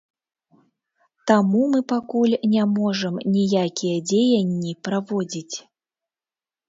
Таму мы пакуль не можам ніякія дзеянні праводзіць.